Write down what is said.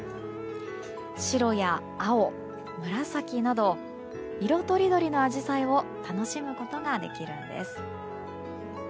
白や青、紫など色とりどりのアジサイを楽しむことができるんです。